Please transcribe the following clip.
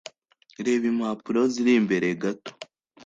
reba impapuro ziri imbere gato.